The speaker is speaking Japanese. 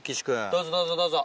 どうぞどうぞどうぞ。